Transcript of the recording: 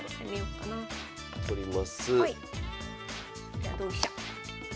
じゃあ同飛車。